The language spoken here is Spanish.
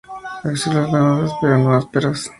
Axilas lanosas pero no ásperas.